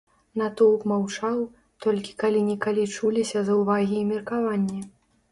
Натоўп маўчаў, толькі калі-нікалі чуліся заўвагі і меркаванні.